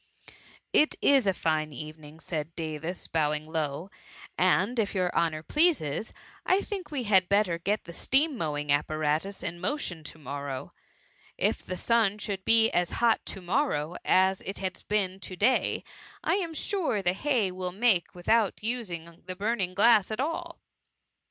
It is a fine evening," said Davis, bowing low, *' and if your honour pleases, I think we hftd better get the steam ^mowing apparatus in QiQtion to^iQorrow. Jf the sun should be as h^t toro^ftonrow as it has been to day, J. am sure c 2 S8. THE MUMMY/ the hay will make without using the l)urning' glass at all.